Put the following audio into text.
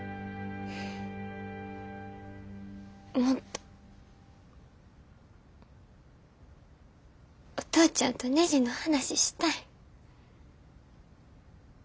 もっとお父ちゃんとねじの話したい。